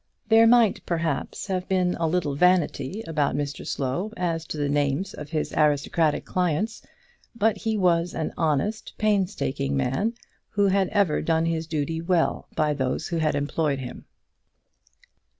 There might, perhaps, have been a little vanity about Mr Slow as to the names of his aristocratic clients; but he was an honest, painstaking man, who had ever done his duty well by those who had employed him.